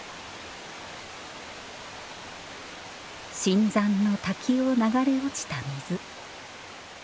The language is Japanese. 深山の滝を流れ落ちた水。